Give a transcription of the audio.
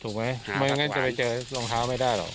ถูกไหมไม่อย่างนั้นจะไปเจอลองเท้าไม่ได้หรอก